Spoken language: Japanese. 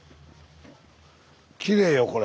きれいよこれ。